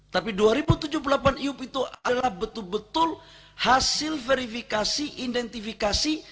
tapi dua ribu tujuh puluh delapan iup itu adalah betul betul hasil verifikasi identifikasi